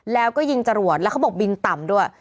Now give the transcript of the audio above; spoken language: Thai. แล้วก็ยิงจรวดแล้วเขาบอกบินต่ำด้วย